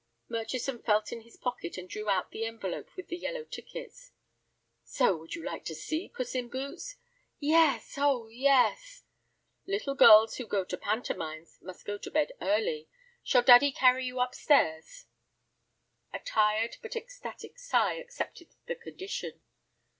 Murchison felt in his pocket and drew out the envelope with the yellow tickets. "So you would like to see 'Puss in Boots'?" "Yes, oh yes." "Little girls who go to pantomimes must go to bed early. Shall daddy carry you up stairs?" A tired but ecstatic sigh accepted the condition.